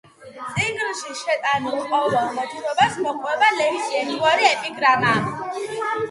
წიგნში შეტანილ ყოველ მოთხრობას მოჰყვება ლექსი, ერთგვარი ეპიგრამა.